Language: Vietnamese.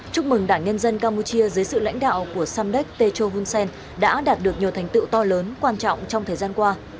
chúc mừng đảng nhân dân campuchia dưới sự lãnh đạo của samdek techo hun sen đã đạt được nhiều thành tựu to lớn quan trọng trong thời gian qua